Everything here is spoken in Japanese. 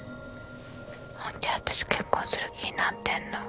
本気で私と結婚する気になってんの。